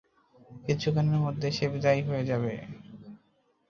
কিছুক্ষণের মধ্যে, সে বিদায় হয়ে যাবে।